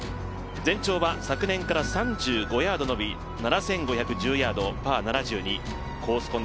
全長は昨年から３５ヤード延び７５１０ヤード、パー７２。コース